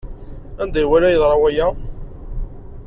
Anda ay iwala yeḍra waya?